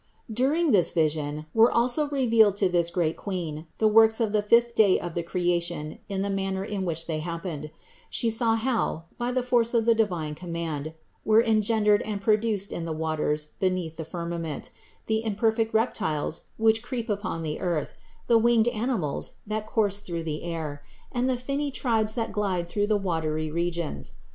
56. During this vision were also revealed to this great THE INCARNATION 59 Queen the works of the fifth day of the creation in the manner in which they happened; She saw how, by the force of the divine command, were engendered and pro duced in the waters beneath the firmament, the imperfect reptiles, which creep upon the earth, the winged animals that course through the air, and the finny tribes that glide through the watery regions.